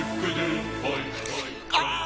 ああ！